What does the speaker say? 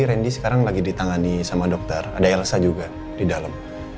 randy sekarang lagi ditangani sama dokter ada elsa juga di dalam